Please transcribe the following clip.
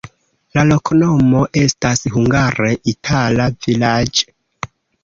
La loknomo estas hungare itala-vilaĝ'.